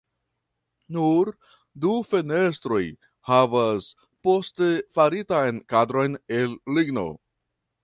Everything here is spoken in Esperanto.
Nur du fenestroj havas poste faritan kadron el ligno.